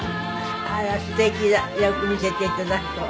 あらすてきだよく見せて頂くと。